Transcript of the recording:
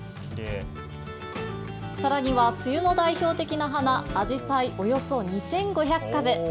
さらには梅雨の代表的な花、あじさいおよそ２５００株。